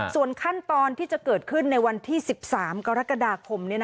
ส่วนขั้นตอนที่จะเกิดขึ้นในวันที่๑๓กรกฎาคม